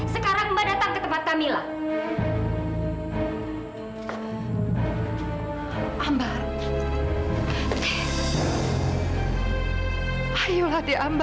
sekarang sini kamu datang ke tempat kamila